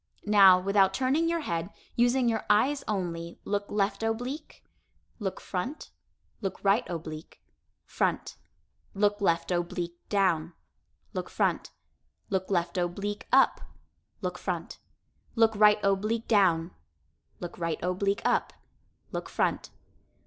Now, without turning your head, using your eyes only, look left oblique, look front, look right oblique, front, look left oblique down, look front, look left oblique up, look front, look right oblique down, look right oblique up, look front.